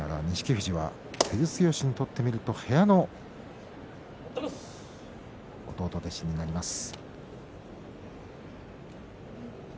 富士は照強にとってみると部屋の弟弟子になります。